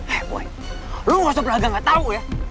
eh boy lo gak usah belaga gak tau ya